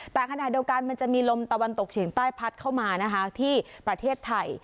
แต่ขณะเดียวกันมันจะมีลมตะวันตกเฉียงใต้พัดเข้ามานะคะที่ประเทศไทย